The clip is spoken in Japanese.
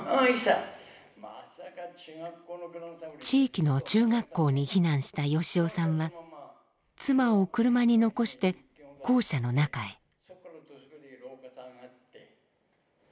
地域の中学校に避難した善雄さんは妻を車に残して校舎の中へ。